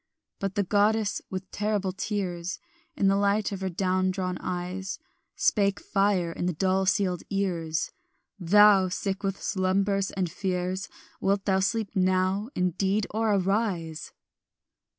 But the goddess, with terrible tears In the light of her down drawn eyes, Spake fire in the dull sealed ears; "Thou, sick with slumbers and fears, Wilt thou sleep now indeed or arise?